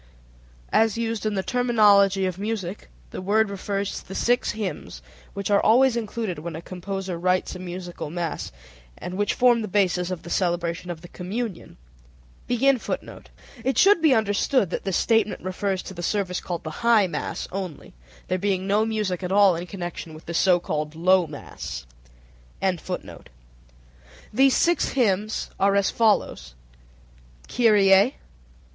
As used in the terminology of music the word refers to the six hymns which are always included when a composer writes a musical mass, and which form the basis of the celebration of the Communion. These six hymns are as follows: [Footnote 35: It should be understood that this statement refers to the service called "the high mass" only, there being no music at all in connection with the so called "low mass."] _Kyrie.